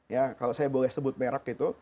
ya kalau saya boleh sebut merek itu